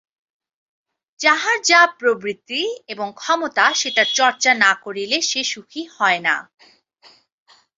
যাহার যা প্রবৃত্তি এবং ক্ষমতা সেটার চর্চা না করিলে সে সুখী হয় না।